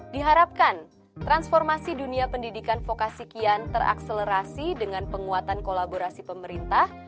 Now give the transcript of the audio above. diharapkan transformasi dunia pendidikan vokasi kian terakselerasi dengan penguatan kolaborasi pemerintah